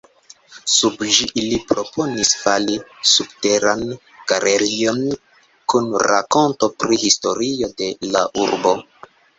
Sub ĝi ili proponis fari subteran galerion kun rakonto pri historio de la urbo.